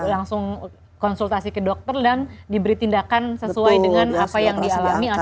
langsung konsultasi ke dokter dan diberi tindakan sesuai dengan apa yang dialami